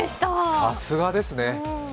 さすがですね。